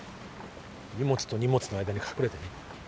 荷物と荷物の間に隠れてね。